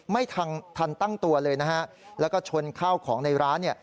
ไม่ทันทันตั้งตัวเลยนะฮะแล้วก็ชนข้าวของในร้านเนี่ย